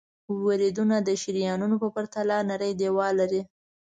وریدونه د شریانونو په پرتله نری دیوال لري.